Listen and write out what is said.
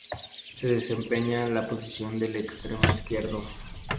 Se desempeñaba en la posición de extremo izquierdo.